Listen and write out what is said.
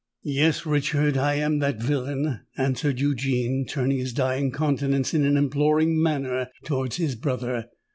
"Yes, Richard—I am that villain!" answered Eugene, turning his dying countenance in an imploring manner towards his brother.